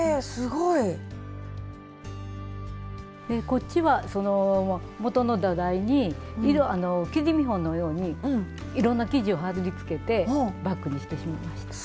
こっちはその元の土台に生地見本のようにいろんな生地をはり付けてバッグにしてしまいました。